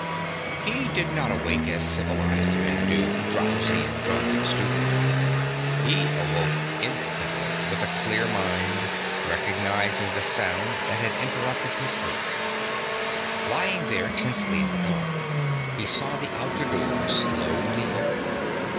He did not awake as civilized men do, drowsy and drugged and stupid. He awoke instantly, with a clear mind, recognizing the sound that had interrupted his sleep. Lying there tensely in the dark he saw the outer door slowly open.